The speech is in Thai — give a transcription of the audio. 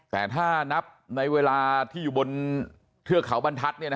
แต่ถ้านับในเวลาที่อยู่บนเทือกเขาบรรทัศน์